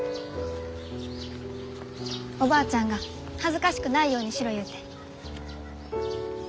おばあちゃんが恥ずかしくないようにしろ言うて。